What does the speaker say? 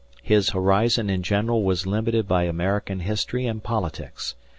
His horizon in general was limited by American history and politics.